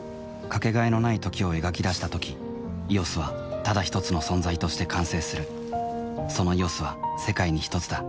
かけがえのない「時」を描き出したとき「ＥＯＳ」はただひとつの存在として完成するその「ＥＯＳ」は世界にひとつだ